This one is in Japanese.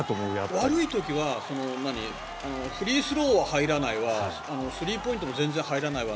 でも、悪い時はフリースローは入らないわスリーポイントも全然入らないわ